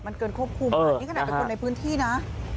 มันเกินควบคุมอันนี้ขนาดเป็นคนในพื้นที่นะ